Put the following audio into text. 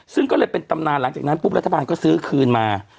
ซึ่งก็เลยเป็นตำนานหลังจากนั้นปุ๊บรัฐบาลก็ซื้อคืนมา